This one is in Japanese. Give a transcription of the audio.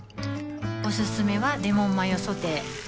おすすめはレモンマヨソテー